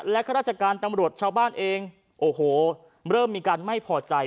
และข้าราชการตำรวจชาวบ้านเองโอ้โหเริ่มมีการไม่พอใจ